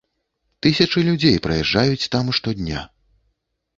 Тысячы людзей праязджаюць там штодня.